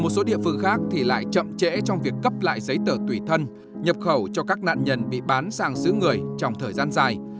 một số địa phương khác thì lại chậm trễ trong việc cấp lại giấy tờ tùy thân nhập khẩu cho các nạn nhân bị bán sang xứ người trong thời gian dài